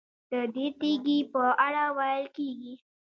ددې تیږې په اړه ویل کېږي.